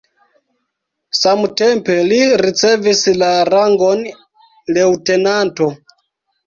Samtempe li ricevis la rangon leŭtenanto.